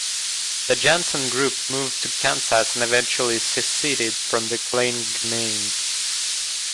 The Jansen group moved to Kansas and eventually seceded from the Kleine Gemeinde.